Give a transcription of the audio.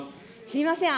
すみません。